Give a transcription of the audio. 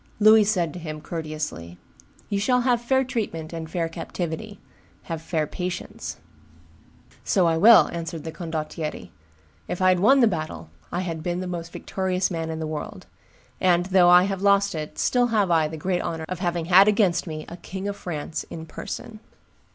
Louis said to him, courteously, "You shall have fair treatment and fair captivity; have fair patience." "So I will," answered the condottiere; "if I had won the battle, I had been the most victorious man in the world; and, though I have lost it, still have I the great honor of having had against me a King of France in person."